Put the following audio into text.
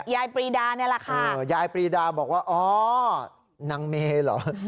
ปรีดานี่แหละค่ะยายปรีดาบอกว่าอ๋อนางเมย์เหรอ